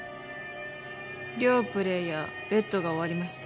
両プレーヤーベットが終わりました。